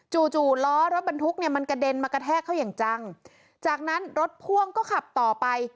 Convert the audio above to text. จู่ล้อรถบรรทุกเนี่ยมันกระเด็นมากระแทกเขาอย่างจังจากนั้นรถพ่วงก็ขับต่อไป